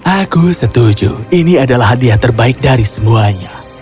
aku setuju ini adalah hadiah terbaik dari semuanya